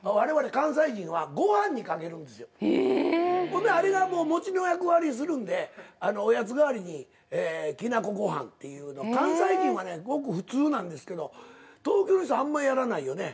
ほんであれがもう餅の役割するんでおやつ代わりにきな粉ご飯っていうの関西人はねごく普通なんですけど東京の人あんまやらないよね。